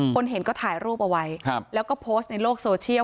คนเห็นก็ถ่ายรูปเอาไว้แล้วก็โพสต์ในโลกโซเชียล